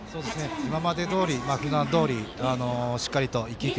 今までどおり、ふだんどおりしっかりと一球一球